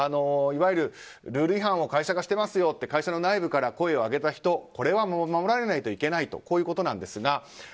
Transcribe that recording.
いわゆるルール違反を会社がしてますよと会社の内部から声を上げた人は守られなければいけないとこういうことなんですが。